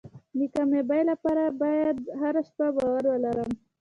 د کامیابۍ لپاره زه باید هره شپه باور ولرم.